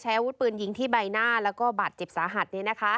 ใช้อาวุธปืนยิงที่ใบหน้าและบัตรเจ็บสาหัส